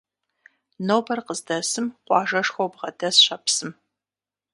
Нобэр къыздэсым къуажэшхуэу бгъэдэсщ а псым.